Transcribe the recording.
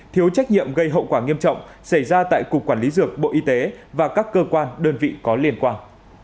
thiếu trách nhiệm gây hậu quả nghiêm trọng xảy ra tại cục quản lý dược bộ y tế và các cơ quan đơn vị có liên quan